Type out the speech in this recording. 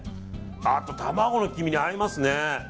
あと卵の黄身に合いますね。